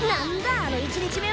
あの１日目は！